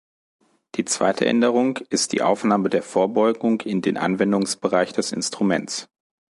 Die zweite Änderung ist die Aufnahme der Vorbeugung in den Anwendungsbereich des Instruments.